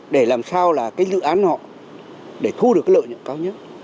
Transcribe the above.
để làm sao là cái dự án họ để thu được cái lợi nhuận cao nhất